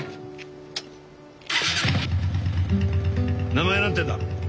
名前何て言うんだ？